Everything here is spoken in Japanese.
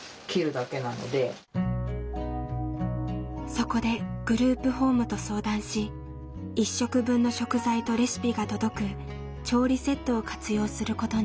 そこでグループホームと相談し１食分の食材とレシピが届く調理セットを活用することに。